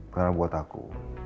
karena buat aku